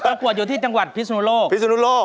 ประกวดอยู่ที่จังหวัดพิศนุโลกพิศนุโลก